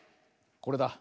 これだ。